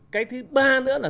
cái thứ ba nữa là